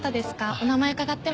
お名前伺っても？